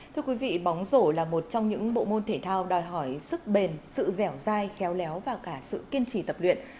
thưa quý vị bóng rổ là một trong những bộ môn thể thao đòi hỏi sức bền sự dẻo dai khéo léo và cả sự kiên trì tập luyện